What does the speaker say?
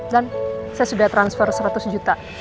dan saya sudah transfer seratus juta